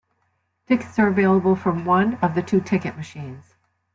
Tickets are available from one of the two ticket machines.